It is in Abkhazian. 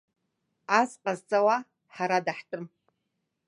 Ас ҟазҵауа ҳара даҳтәым.